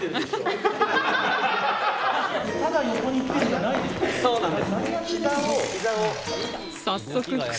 ただ横に行ってんじゃないでしょう。